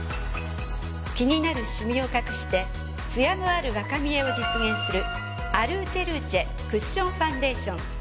気になるシミを隠してツヤのある若見えを実現するＡｌｕｃｅｌｕｃｅクッションファンデーション。